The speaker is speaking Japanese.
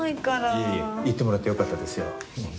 いえいえ言ってもらってよかったですよ。